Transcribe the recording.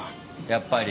やっぱり。